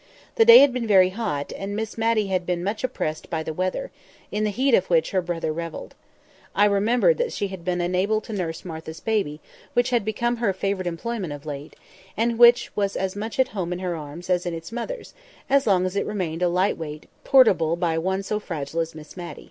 The day had been very hot, and Miss Matty had been much oppressed by the weather, in the heat of which her brother revelled. I remember that she had been unable to nurse Martha's baby, which had become her favourite employment of late, and which was as much at home in her arms as in its mother's, as long as it remained a light weight, portable by one so fragile as Miss Matty.